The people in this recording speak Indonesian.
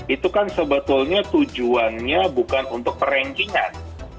itu kan sebetulnya tujuannya bukan untuk per rankingan